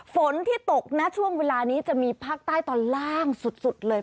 ฝนที่ตกนะช่วงเวลานี้จะมีภาคใต้ตอนล่างสุดเลย